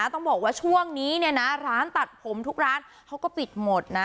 ต้องบอกว่าช่วงนี้เนี่ยนะร้านตัดผมทุกร้านเขาก็ปิดหมดนะ